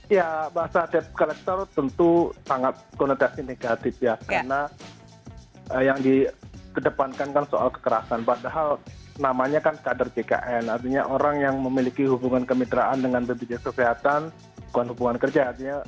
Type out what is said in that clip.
ya bahasa depkolektor tentu sangat koneksi negatif ya karena yang di kedepankan kan soal kekerasan padahal namanya kan kader ckn artinya orang yang memiliki hubungan kemitraan dengan penduduk kesehatan bukan hubungan kerja